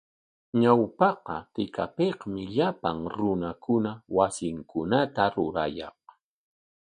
Ñawpaqa tikapikmi llapan runakuna wasinkunata rurayaq.